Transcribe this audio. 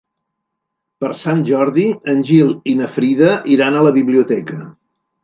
Per Sant Jordi en Gil i na Frida iran a la biblioteca.